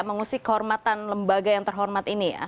mengusik kehormatan lembaga yang terhormat ini